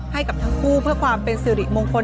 ให้กับทั้งคู่เพื่อความเป็นสื่อหรี่มงคร์